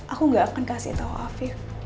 aku gak akan kasih tahu afif